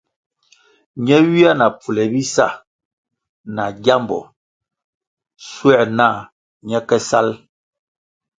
Ne ywia na pfule bisa na gyambo shuē na ñe ke salʼ.